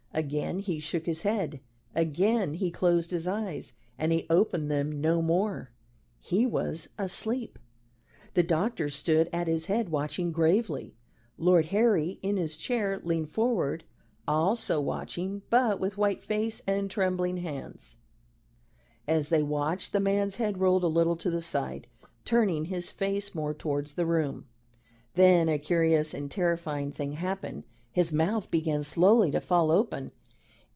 Again he shook his head, again he closed his eyes, and he opened them no more. He was asleep. The doctor stood at his head watching gravely. Lord Harry, in his chair, leaned forward, also watching, but with white face and trembling hands. As they watched, the man's head rolled a little to the side, turning his face more towards the room. Then a curious and terrifying thing happened. His mouth began slowly to fall open.